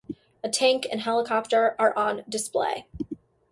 A tank and helicopter are on display.